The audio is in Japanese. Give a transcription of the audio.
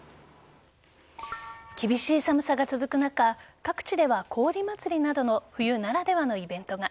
厳しい寒さが続く中各地では氷まつりなどの冬ならではのイベントが。